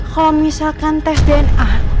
kalau misalkan tes dna